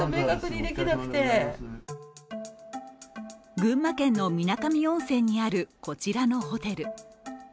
群馬県の水上温泉にあるこちらのホテル。